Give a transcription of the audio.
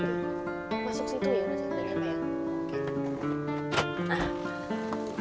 jika orangtua dalam kondisi sehat berkecukupan atau berkedudukan mungkin mudah bagi kita untuk menghormati orangtua